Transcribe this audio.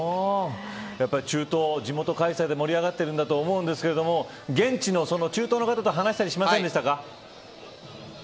中東、地元開催で盛り上がっているんだと思うんですが現地の中東の方と話したりしましたか。